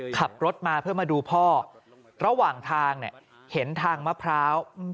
ขับรถมาเพื่อมาดูพ่อระหว่างทางเนี่ยเห็นทางมะพร้าว